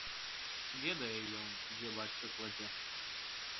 Ведае ён, дзе бацька кладзе.